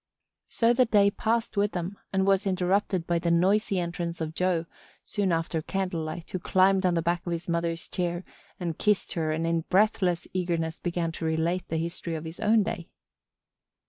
... So the day passed with them and was interrupted by the noisy entrance of Joe, soon after candlelight, who climbed on the back of his mother's chair and kissed her and in breathless eagerness began to relate the history of his own day.